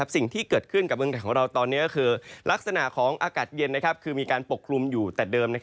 สิ่งที่เกิดขึ้นกับเมืองไทยของเราตอนนี้ก็คือลักษณะของอากาศเย็นคือมีการปกคลุมอยู่แต่เดิม